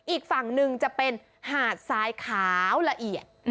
อีกฝั่งหนึ่งจะเป็นหาดทรายขาวละเอียด